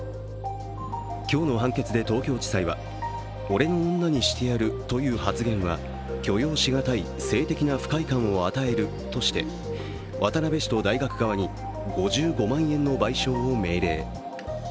今日の判決で東京地裁は俺の女にしてやるという発言は許容しがたい性的な不快感を与えるとして渡部氏と大学側に５５万円の賠償を命令。